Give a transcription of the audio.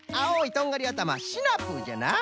トンガリあたまはシナプーじゃな。